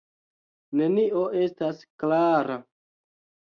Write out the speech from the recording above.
Nenio estas klara.